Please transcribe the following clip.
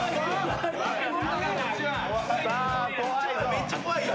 めっちゃ怖いよ。